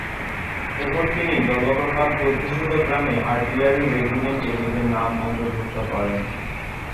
এরপর তিনি জলপ্রপাত অধ্যুষিত গ্রামে আর্টিলারি রেজিমেন্টে নিজের নাম অন্তর্ভুক্ত করেন।